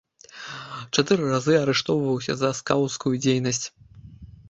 Чатыры разы арыштоўваўся за скаўцкую дзейнасць.